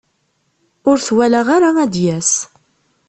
Ur t-walaɣ ara ad d-yas.